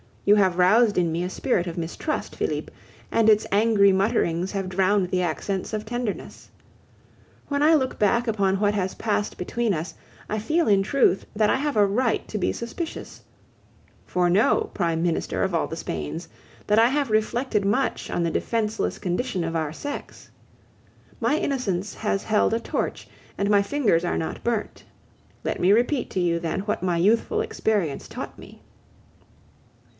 You have roused in me a spirit of mistrust, Felipe, and its angry mutterings have drowned the accents of tenderness. When I look back upon what has passed between us, I feel in truth that I have a right to be suspicious. For know, Prime Minister of all the Spains, that I have reflected much on the defenceless condition of our sex. My innocence has held a torch, and my fingers are not burnt. Let me repeat to you, then, what my youthful experience taught me.